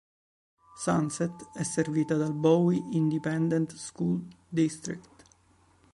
Sunset è servita dal Bowie Independent School District.